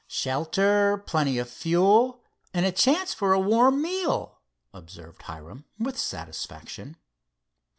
"Shelter, plenty of fuel and a chance for a warm meal," observed Hiram with satisfaction.